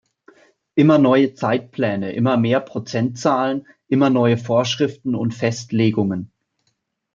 Immer neue Zeitpläne, immer mehr Prozentzahlen, immer neue Vorschriften und Festlegungen.